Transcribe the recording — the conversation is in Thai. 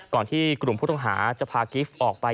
ก่อนที่กลุ่มผู้ต้องหาจะพากิฟต์ออกไป